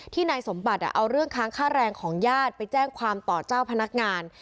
นายสมบัติเอาเรื่องค้างค่าแรงของญาติไปแจ้งความต่อเจ้าพนักงาน